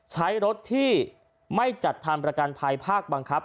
ใช้รถที่ไม่จัดทำประกันภัยภาคบังคับ